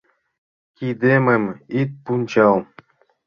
Кидемым ит пунчал.